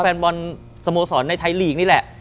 แฟนบอลสโมสรในไทยลีกนี่แหละ